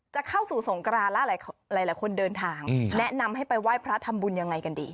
จะเข้าสู่สงกรานแล้วหลายคนเดินทางแนะนำให้ไปไหว้พระทำบุญยังไงกันดี